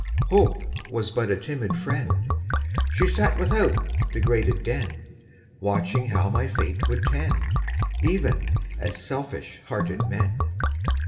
Hope Was but a timid friend; She sat without the grated den, Watching how my fate would tend, Even as selfish hearted men.